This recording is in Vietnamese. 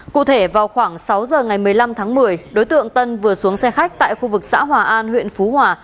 cụ thể vào khoảng sáu giờ ngày một mươi năm tháng một mươi đối tượng tân vừa xuống xe khách tại khu vực xã hòa an huyện phú hòa